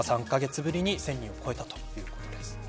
３カ月ぶりに１０００人を超えたということです。